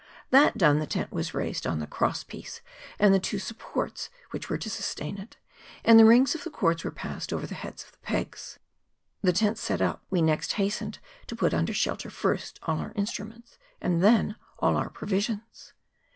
That done, the tent was raised on tlie cross piece and the two supports which were to sustain it; and the rings of the cords were passed over the heads of the pegs. The tent set up, we next hastened to put under shelter, first, all our instruments, and then all our provisions.